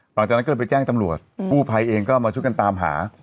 หลังจากนั้นก็เลยไปแจ้งตำรวจกู้ภัยเองก็มาช่วยกันตามหา